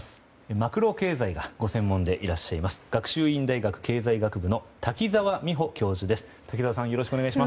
マクロ経済がご専門でいらっしゃいます学習院大学経済学部の滝澤美帆教授です。